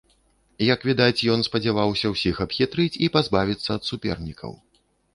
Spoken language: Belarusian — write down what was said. Як відаць, ён спадзяваўся ўсіх абхітрыць і пазбавіцца ад супернікаў.